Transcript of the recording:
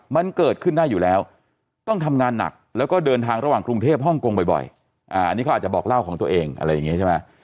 มันเกิดขึ้นได้อยู่แล้วต้องทำงานหนักแล้วก็เดินทางระหว่างกรุงเทพฮ่องกงบ่อยอันนี้เขาอาจจะบอกเล่าของตัวเองอะไรอย่างนี้ใช่ไหม